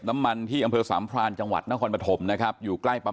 น้ำมันที่อำเภอสามพรานจังหวัดนครปฐมนะครับอยู่ใกล้ปั๊ม